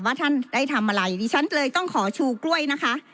ท่านได้ทำอะไรดิฉันเลยต้องขอชูกล้วยนะคะ